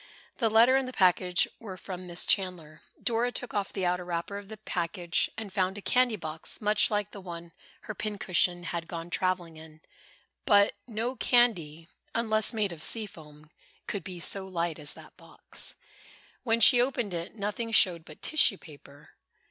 The letter and the package were from Miss Chandler. Dora took off the outer wrapper of the package and found a candy box, much like the one her pincushion had gone traveling in. But no candy, unless made of sea foam, could be so light as that box. When she opened it, nothing showed but tissue paper.